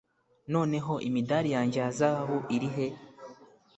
noneho imidari yanjye ya zahabu irihe